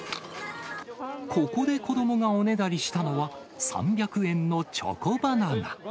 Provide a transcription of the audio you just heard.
ここで子どもがおねだりしたのは、３００円のチョコバナナ。